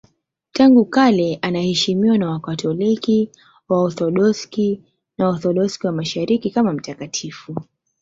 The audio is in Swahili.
Tangu kale anaheshimiwa na Wakatoliki, Waorthodoksi na Waorthodoksi wa Mashariki kama mtakatifu.